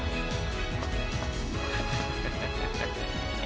ハハハハ。